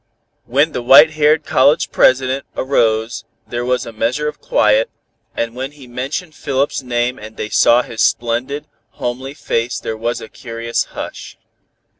When the white haired college president arose there was a measure of quiet, and when he mentioned Philip's name and they saw his splendid, homely face there was a curious hush.